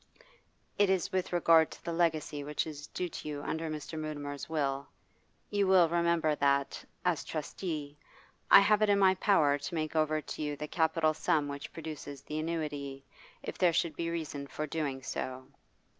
'It is with regard to the legacy which is due to you under Mr. Mutimer's will. You will remember that, as trustee, I have it in my power to make over to you the capital sum which produces the annuity, if there should be reason for doing so.